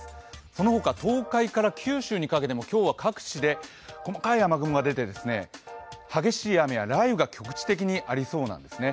その他、東海から九州にかけても今日は各地で細かい雨雲が出て、激しい雨や雷雨が局地的にありそうなんですね。